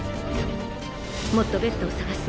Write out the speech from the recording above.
もっとベッドを探す。